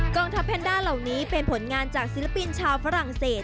องทัพแพนด้าเหล่านี้เป็นผลงานจากศิลปินชาวฝรั่งเศส